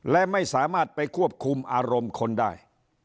และไม่สามารถไปควบคุมอารมณ์คนได้